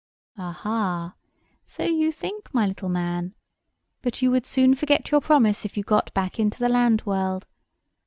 "Aha! So you think, my little man. But you would soon forget your promise if you got back into the land world.